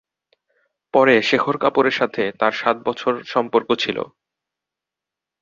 পরে শেখর কাপুরের সাথে তার সাত বছর সম্পর্ক ছিল।